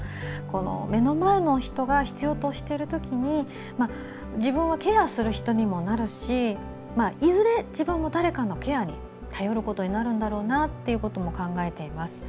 目の前の人が必要としているときに自分はケアする人にもなるしいずれ自分も誰かのケアに頼ることになるんだろうなとも考えています。